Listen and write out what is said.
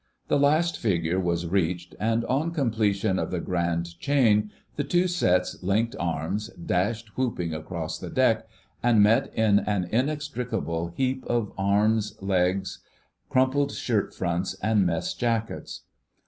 The last figure was reached, and on completion of the Grand Chain, the two sets linked arms, dashed whooping across the deck, and met in an inextricable heap of arms, legs, crumpled shirt fronts and mess jackets.